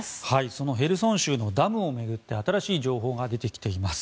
そのヘルソン州のダムを巡って新しい情報が出てきています。